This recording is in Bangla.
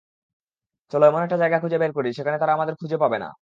চল এমন একটা জায়গা খুঁজে বের করি, যেখানে তারা আমাদের খুঁজে পাবে না।